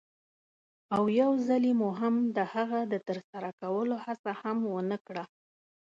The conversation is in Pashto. او یوځلې مو هم د هغه د ترسره کولو هڅه هم ونه کړه.